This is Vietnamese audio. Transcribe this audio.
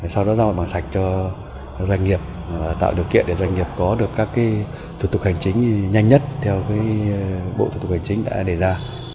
sau đó giao bằng sạch cho doanh nghiệp tạo điều kiện để doanh nghiệp có được các thủ tục hành chính nhanh nhất theo bộ thủ tục hành chính đã đề ra